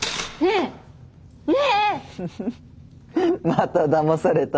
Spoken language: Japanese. まただまされた。